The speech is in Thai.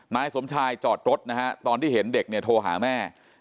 นายสมชายจอดรถนะฮะตอนที่เห็นเด็กเนี่ยโทรหาแม่